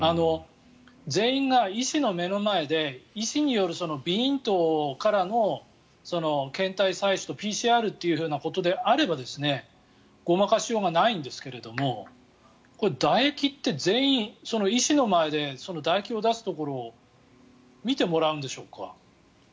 全員が医師の目の前で医師による鼻咽頭からの検体採取とＰＣＲということであればごまかしようがないんですけどだ液って全員その医師の前でだ液を出すところを見てもらうんでしょうか？